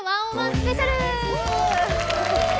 スペシャル。